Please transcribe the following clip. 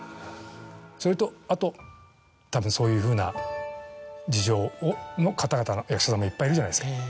それとあとたぶんそういうふうな事情の方々役者さんもいっぱいいるじゃないですか。